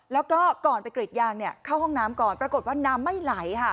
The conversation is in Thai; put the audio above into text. แล้วก็ก่อนไปกรีดยางเข้าห้องน้ำก่อนปรากฏว่าน้ำไม่ไหลค่ะ